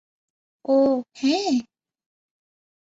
ওহ, হ্যাঁ?